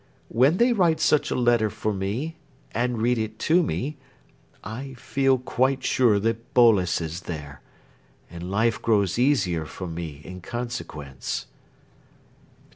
When they write such a letter for me, and read it to me, I feel quite sure that Boles is there. And life grows easier for me in consequence."